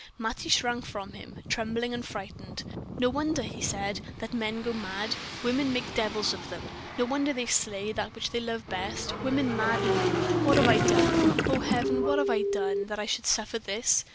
Mattie shrank from him, trembling and frightened. "No wonder," he said, "that men go mad; women make devils of them. No wonder they slay that which they love best; women madden them. What have I done? oh, Heaven! what have I done that I should suffer this?